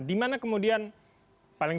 di mana kemudian paling tidak presiden atau pdip